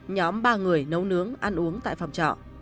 nhóm ba người nấu nướng ăn uống tại phòng trọ